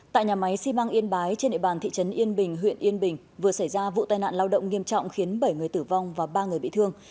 tại nhà máy xi măng yên bái trên địa bàn thị trấn yên bình huyện yên bình vừa xảy ra vụ tai nạn lao động nghiêm trọng khiến bảy người tử vong và ba người bị thương